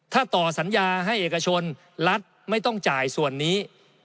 ถ้าต่อสัญญาให้เอกชนรัฐไม่ต้องจ่ายส่วนนี้